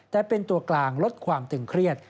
แต่เป็นตัวกลางลดความตึงเครียด